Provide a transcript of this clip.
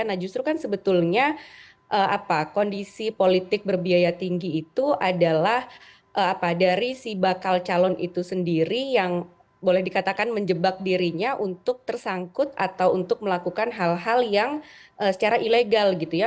nah justru kan sebetulnya kondisi politik berbiaya tinggi itu adalah dari si bakal calon itu sendiri yang boleh dikatakan menjebak dirinya untuk tersangkut atau untuk melakukan hal hal yang secara ilegal gitu ya